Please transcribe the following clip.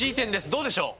どうでしょう？